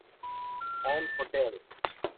An hotel.